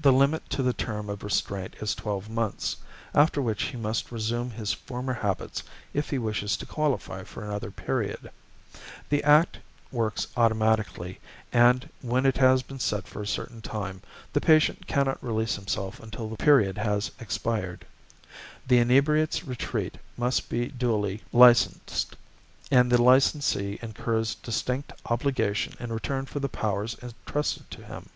The limit to the term of restraint is twelve months, after which he must resume his former habits if he wishes to qualify for another period. The Act works automatically, and, when it has been set for a certain time, the patient cannot release himself until the period has expired. The Inebriates' Retreat must be duly licensed, and the licensee incurs distinct obligation in return for the powers entrusted to him.